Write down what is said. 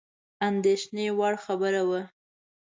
اندېښني وړ خبره وه.